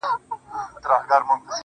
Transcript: زه ستا په ځان كي يم ماته پيدا كړه.